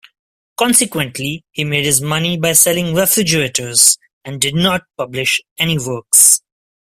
Consequently, he made his money by selling refrigerators, and did not publish any works.